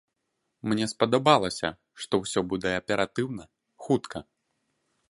Мне спадабалася, што ўсё будзе аператыўна, хутка.